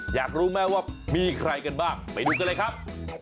อยากรู้ไหมว่ามีใครกันบ้างไปดูกันเลยครับ